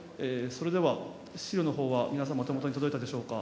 それでは、資料のほうは皆さんの手元に届いたでしょうか。